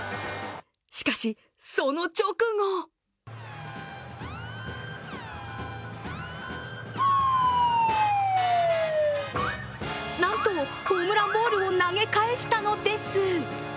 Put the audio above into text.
しかし、その直後なんと、ホームランボールを投げ返したのです。